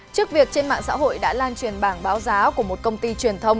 trước việc trên mạng xã hội đã lan truyền bảng báo giá của một công ty truyền thông